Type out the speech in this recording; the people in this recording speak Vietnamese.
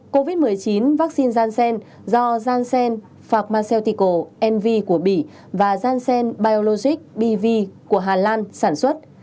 sáu covid một mươi chín vaccine janssen do janssen pharmaceutical nv của bỉ và janssen biologic bv của hà lan sản xuất